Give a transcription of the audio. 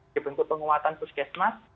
dibentuk penguatan puskesmas